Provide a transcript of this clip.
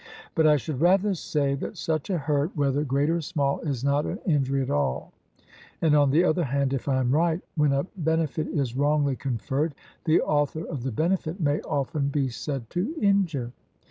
But I should rather say that such a hurt, whether great or small, is not an injury at all; and, on the other hand, if I am right, when a benefit is wrongly conferred, the author of the benefit may often be said to injure.